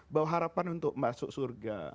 bahwa harapan untuk masuk surga